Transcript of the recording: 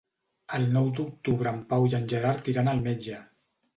El nou d'octubre en Pau i en Gerard iran al metge.